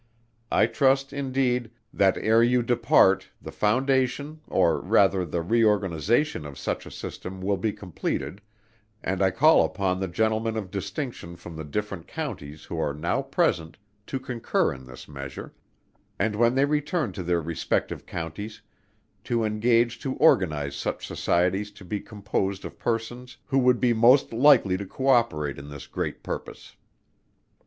I trust, indeed, that ere you depart, the foundation, or rather the re organization of such a system will be completed, and I call upon the Gentlemen of distinction from the different Counties who are now present to concur in this measure, and when they return to their respective Counties, to engage to organize such Societies to be composed of persons who would be most likely to co operate in this great purpose.